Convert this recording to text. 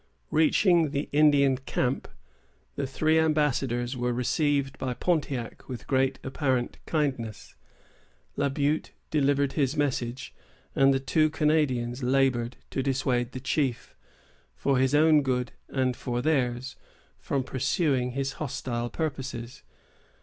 Reaching the Indian Camp, the three ambassadors were received by Pontiac with great apparent kindness. La Butte delivered his message, and the two Canadians labored to dissuade the chief, for his own good and for theirs, from pursuing his hostile purposes.